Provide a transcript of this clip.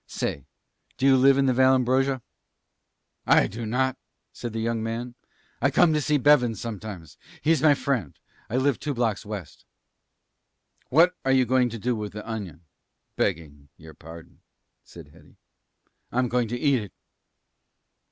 Say do you live in the Vallambrosa?" "I do not," said the young man. "I come to see Bevens sometimes. He's my friend. I live two blocks west." "What are you going to do with the onion? begging your pardon," said Hetty. "I'm going to eat it."